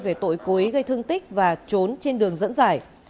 về tội cố ý gây thương tích và trốn trên đường dẫn giải